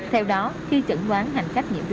theo đó khi trận quán hành khách